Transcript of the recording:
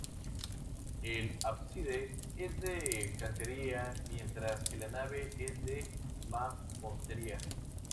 El ábside es de cantería, mientras que la nave es de mampostería.